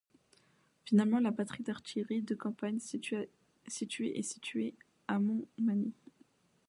Finalement, la Batterie d'artillerie de campagne situé est Situé à Montmagny.